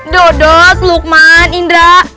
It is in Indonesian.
dodot lukman indra